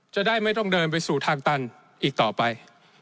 จะได้ไม่ต้องเดินไปสู่ทางตันอีกต่อไป